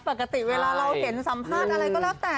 ปกติเวลาเราเห็นสัมภาษณ์อะไรก็แล้วแต่